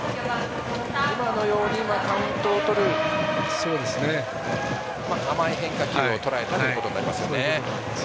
カウントをとる甘い変化球をとらえたということになりますね。